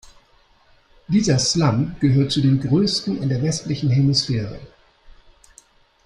Dieser Slum gehört zu den größten in der westlichen Hemisphäre.